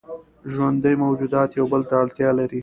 ژوندي موجودات یو بل ته اړتیا لري